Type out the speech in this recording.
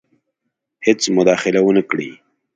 هیڅ مداخله ونه کړي.